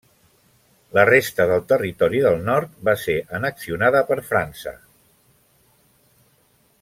La resta del territori del nord va ser annexionada per França.